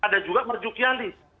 ada juga merjuk yali